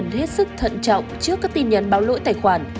nếu người dùng hết sức thận trọng trước các tin nhắn báo lỗi tài khoản